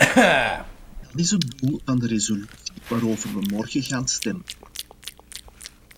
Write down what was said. Dat is het doel van de resolutie waarover we morgen gaan stemmen.